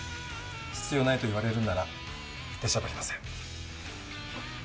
必要ないと言われるなら出しゃばりません。